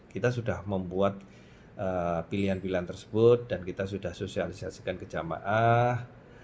kita sudah membuat pilihan pilihan tersebut dan kita sudah sosialisasikan ke jamaah